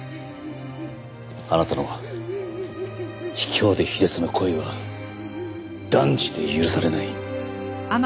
あなたの卑怯で卑劣な行為は断じて許されない。